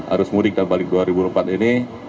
arus mudik dan balik dua ribu empat ini